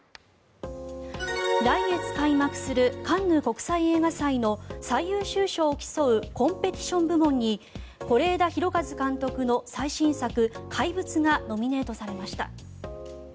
来月開幕するカンヌ国際映画祭の最優秀賞を競うコンペティション部門に是枝裕和監督の最新作「怪物」がノミネートされました。